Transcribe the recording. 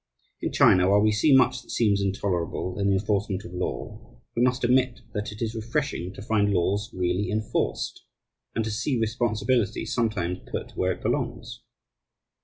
In China, while we see much that seems intolerable in the enforcement of law, we must admit that it is refreshing to find laws really enforced, and to see responsibility sometimes put where it belongs.